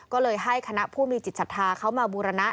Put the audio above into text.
ก็เลยให้คณะผู้มีจิตศรัทธาเขามาบูรณะ